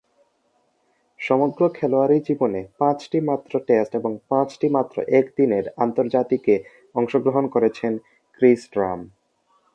সমগ্র খেলোয়াড়ী জীবনে পাঁচটিমাত্র টেস্ট ও পাঁচটিমাত্র একদিনের আন্তর্জাতিকে অংশগ্রহণ করেছেন ক্রিস ড্রাম।